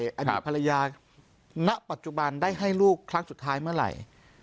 อันนี้เกี่ยวกับภรรยานักปัจจุบันได้ให้ลูกครั้งสุดท้ายเมื่อไหร่